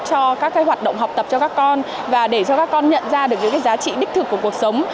cho các hoạt động học tập cho các con và để cho các con nhận ra được những giá trị đích thực của cuộc sống